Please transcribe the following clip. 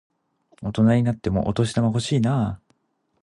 大人になってもお年玉欲しいなぁ。